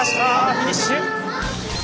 フィニッシュ！